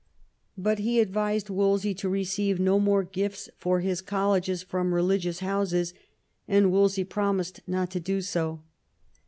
But he advised Wolsey to receive no more gifts for his colleges from religious houses, and Wolsey promised not to do so.